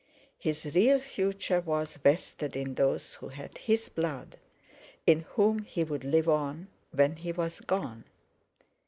His real future was vested in those who had his blood, in whom he would live on when he was gone.